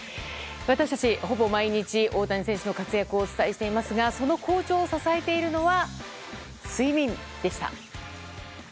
私たち、ほぼ毎日大谷選手の活躍をお伝えしていますがその好調を支えているのは睡眠でした。